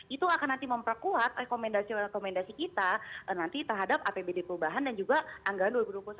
itu akan nanti memperkuat rekomendasi rekomendasi kita nanti terhadap apbd perubahan dan juga anggaran dua ribu dua puluh satu